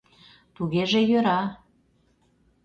— Тугеже йӧра...